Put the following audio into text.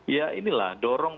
ya inilah dorong